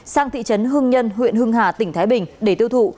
sang thị trấn hưng nhân huyện hưng hà tỉnh thái bình để tiêu thụ